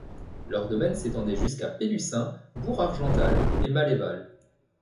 Leur domaine s'étendait jusqu'à Pélussin, Bourg-Argental et Malleval.